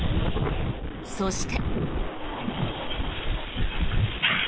そして。